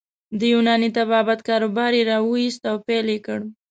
د یوناني طبابت کاروبار يې راویست او پیل یې کړ.